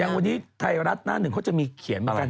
ยังวันนี้ไทรลัฐหน้านึ่งก็จะมีเขียนมากัน